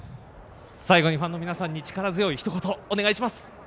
最後にファンの皆さんに力強いひと言、お願いします。